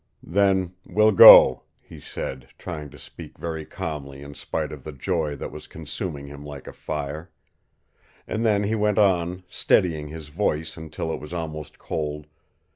"Then we'll go," he said, trying to speak very calmly in spite of the joy that was consuming him like a fire. And then he went on, steadying his voice until it was almost cold.